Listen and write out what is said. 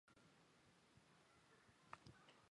本列表为贝宁驻中华人民共和国历任大使名录。